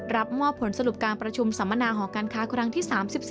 รับมอบผลสรุปการประชุมสัมมนาหอการค้าครั้งที่๓๔